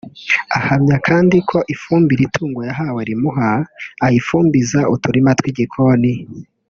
Ahamya kandi ko ifumbire itungo yahawe rimuha ayifumbiza uturima tw’igikoni